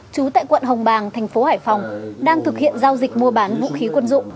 trú tại quận hồng bàng thành phố hải phòng đang thực hiện giao dịch mua bán vũ khí quân dụng